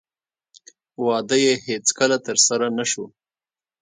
واده یې هېڅکله ترسره نه شو.